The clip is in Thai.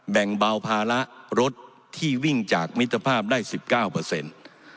แบ่งเบาภาระรถที่วิ่งจากมิตรภาพได้สิบเก้าเปอร์เซ็นต์